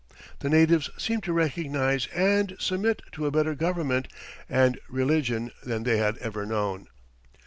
The natives seemed to recognize and submit to a better government and religion than they had ever known.